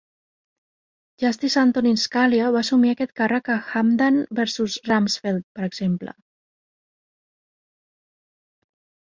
Justice Antonin Scalia va assumir aquest càrrec a "Hamdan versus Rumsfeld", per exemple.